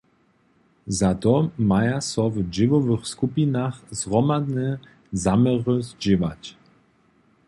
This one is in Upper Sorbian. Za to maja so w dźěłowych skupinach zhromadne zaměry zdźěłać.